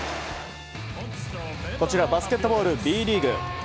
バスケットボール、Ｂリーグ。